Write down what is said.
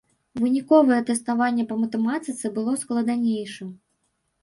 Выніковае тэставанне па матэматыцы было складанейшым.